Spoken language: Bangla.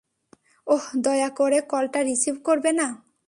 ওহ, দয়া করে কলটা রিসিভ করবে না।